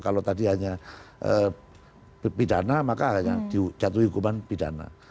kalau tadi hanya pidana maka hanya dijatuhi hukuman pidana